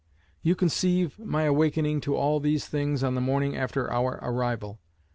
You conceive my awakening to all these things on the morning after our arrival.